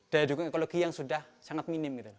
daya dukung ekologi yang sudah sangat minim gitu loh